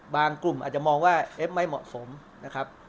กลุ่มอาจจะมองว่าเอฟไม่เหมาะสมนะครับ